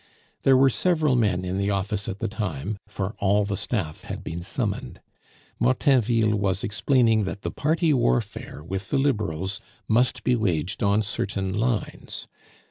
There were several men in the office at the time, for all the staff had been summoned; Martainville was explaining that the party warfare with the Liberals must be waged on certain lines.